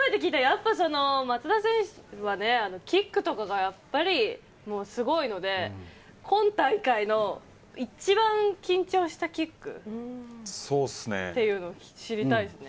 やっぱり松田選手はね、キックとかが、やっぱりすごいので、本大会の一番緊張したキックというのを知りたいですね。